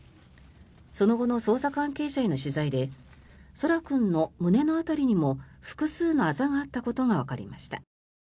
その後の捜査関係者への取材で空来君の胸の辺りにも複数のあざがあったことがわかりました。